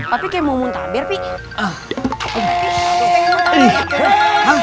tapi kayak mau muntah biar pih